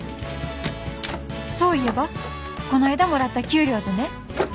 そういえばこないだもらった給料でね」。